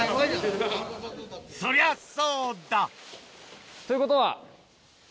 そりゃそうだ！ということは？